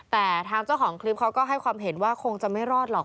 แต่ทางเจ้าของคลิปเขาก็ให้ความเห็นว่าคงจะไม่รอดหรอก